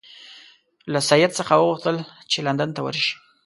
له سید څخه وغوښتل چې لندن ته ورشي.